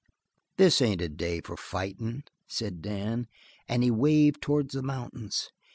"This ain't a day for fightin'," said Dan, and he waved towards the mountains.